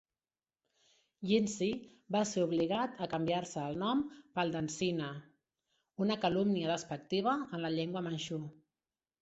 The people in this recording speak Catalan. Yinsi va ser obligat a canviar-se el nom pel d'Acina, una calumnia despectiva en la llengua Manxú.